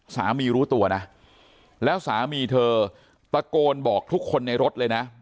รู้ตัวนะแล้วสามีเธอตะโกนบอกทุกคนในรถเลยนะ